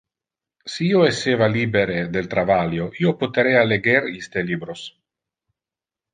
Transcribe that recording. Si io esseva libere del travalio, io poterea leger iste libros.